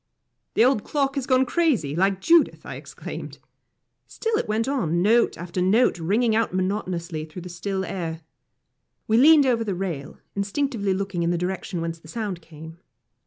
"The old clock has gone crazy, like Judith," I exclaimed. Still it went on, note after note ringing out monotonously through the still air. We leaned over the rail, instinctively looking in the direction whence the sound came.